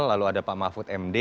lalu ada pak mahfud md